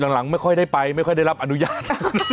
หลังไม่ค่อยได้ไปไม่ค่อยได้รับอนุญาต